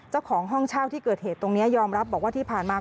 เจ้าของห้องเช่าที่เกิดเหตุตรงนี้ยอมรับบอกว่าที่ผ่านมา